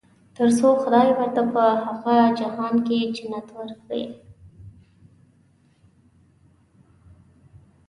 تر څو خدای ورته په هغه جهان کې جنت ورکړي.